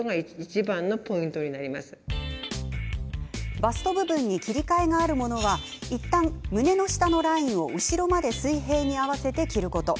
バスト部分に切り替えがあるものはいったん、胸の下のラインを後ろまで水平に合わせて着ること。